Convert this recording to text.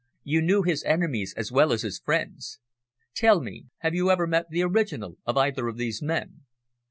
You knew his enemies as well as his friends. Tell me, have you ever met the original of either of these men?"